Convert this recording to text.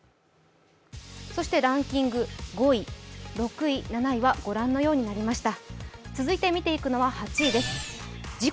ランキング５位、６位、７位はご覧のようになりました。